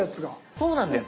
そうなんです。